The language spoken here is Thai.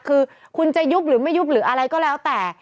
คือคุณจะยุบหรือไม่ยุบหรืออะไรก็แล้วแต่